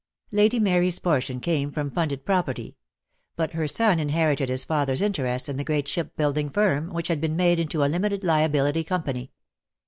Lady Mary's portion came from funded pro perty; but her son inherited his father's interest in the great shipbuilding firm, which had been made into a Limited Liability Company.